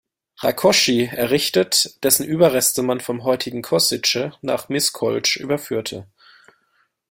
Rákóczi errichtet, dessen Überreste man vom heutigen Košice nach Miskolc überführte.